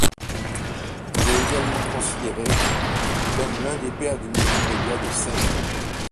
Il est également considéré comme l’un des pères du multimédia de scène.